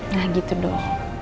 nah gitu dong